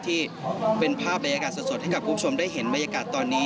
ที่เป็นภาพบรรยากาศสดให้กับคุณผู้ชมได้เห็นบรรยากาศตอนนี้